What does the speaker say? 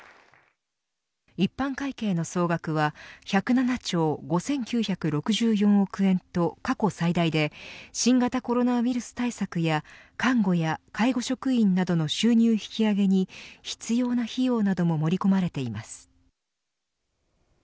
一般会計の総額は１０７兆５９６４億円と過去最大で新型コロナウイルス対策や看護や介護職員などの収入引き上げに必要な費用なども盛り込まれています。